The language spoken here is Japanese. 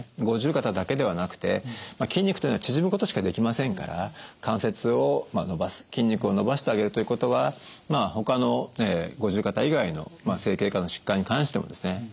五十肩だけではなくて筋肉というのは縮むことしかできませんから関節を伸ばす筋肉を伸ばしてあげるということはほかの五十肩以外の整形外科の疾患に関してもですね